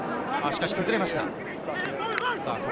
しかし崩れました。